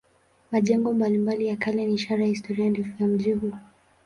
Majengo mbalimbali ya kale ni ishara ya historia ndefu ya mji huu.